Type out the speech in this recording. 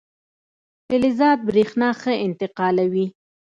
فلزات برېښنا ښه انتقالوي.